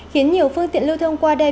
khiến nhiều phương tiện lưu thương qua đây